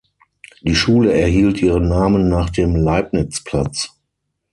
Die Schule erhielt ihren Namen nach dem "Leibnizplatz".